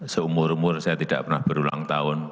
seumur umur saya tidak pernah berulang tahun